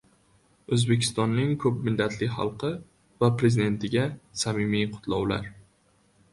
O‘zbekistonning ko‘p millatli xalqi va Prezidentiga samimiy qutlovlar